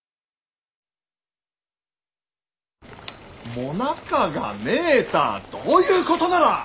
・もなかがねえたあどういうことなら！